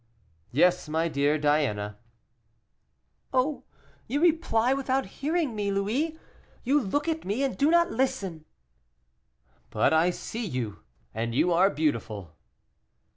"Yes, my dear Diana." "Oh, you reply without hearing me, Louis; you look at me, and do not listen." "But I see you, and you are beautiful."